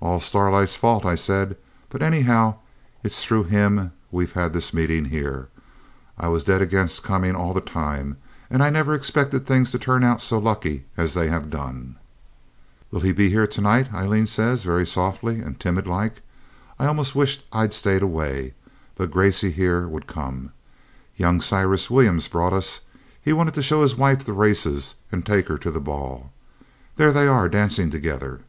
'All Starlight's fault,' I said; 'but anyhow, it's through him we've had this meeting here. I was dead against coming all the time, and I never expected things to turn out so lucky as they have done.' 'Will he be here to night?' Aileen says, very soft and timid like. 'I almost wished I'd stayed away, but Gracey here would come. Young Cyrus Williams brought us. He wanted to show his wife the races, and take her to the ball. There they are, dancing together.